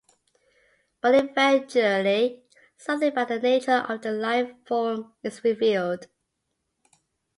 But eventually, something about the nature of the life-form is revealed.